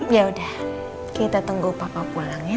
yaudah kita tunggu papa pulang ya